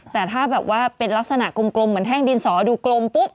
แต่ถ้าแบบว่าเป็นลักษณะกลมเหมือนแท่งดินสอดูกลมปุ๊บ